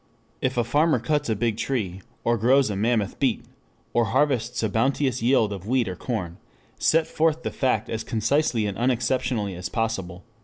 If a farmer cuts a big tree, or grows a mammoth beet, or harvests a bounteous yield of wheat or corn, set forth the fact as concisely and unexceptionally as possible."